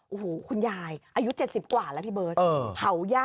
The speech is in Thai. โอ้โฮคุณยายอายุ๗๐กว่าแล้วพี่เบิร์ท